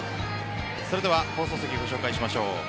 それでは放送席をご紹介しましょう。